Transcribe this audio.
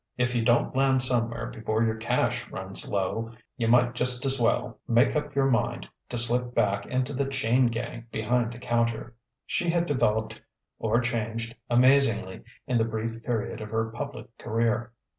If you don't land somewhere before your cash runs low, you might just's well make up your mind to slip back into the chain gang behind the counter." She had developed or changed amazingly in the brief period of her public career.